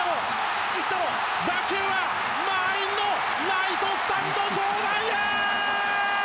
打球は満員のライトスタンド上段へ！